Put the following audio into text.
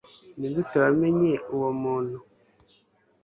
Nigute wamenye uwo muntu?